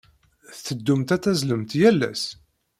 Tetteddumt ad tazzlemt yal ass?